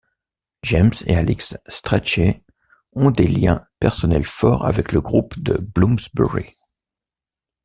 James et Alix Strachey ont des liens personnels forts avec le groupe de Bloomsbury.